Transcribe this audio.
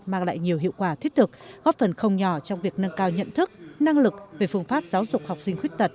mang lại nhiều hiệu quả thiết thực góp phần không nhỏ trong việc nâng cao nhận thức năng lực về phương pháp giáo dục học sinh khuyết tật